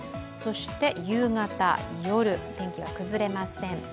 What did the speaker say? そして夕方、夜、天気は崩れません。